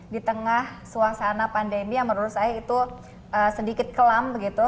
di tengah suasana pandemi yang menurut saya itu sedikit kelam begitu